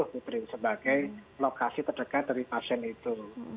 diberi sebagai lokasi terdekat dari pasien itu